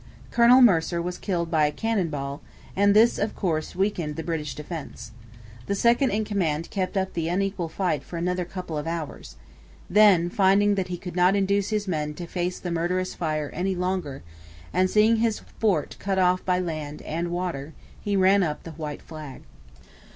Colonel Mercer was killed by a cannon ball, and this, of course, weakened the British defence, The second in command kept up the unequal fight for another couple of hours. Then, finding that he could not induce his men to face the murderous fire any longer, and seeing his fort cut off by land and water, he ran up the white flag.